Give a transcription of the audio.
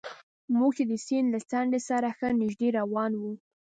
موږ چې د سیند له څنډې سره ښه نژدې روان وو.